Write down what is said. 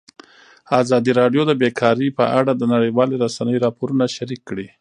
ازادي راډیو د بیکاري په اړه د نړیوالو رسنیو راپورونه شریک کړي.